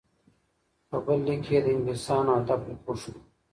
په بل لیک کې یې د انګلیسانو هدف وپوښت.